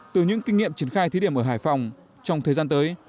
từ những kinh nghiệm triển khai thí điểm ở hải phòng trong thời gian tới